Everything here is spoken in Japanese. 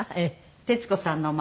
徹子さんのマネ。